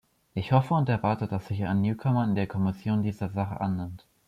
Ich hoffe und erwarte, dass sich ein Newcomer in der Kommission dieser Sache annimmt.